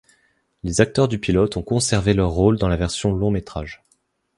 Les acteurs du pilote ont conservé leur rôle dans la version long-métrage.